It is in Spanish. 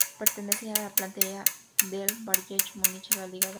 Pertenece a la plantilla del Bayern Munich de la liga alemana.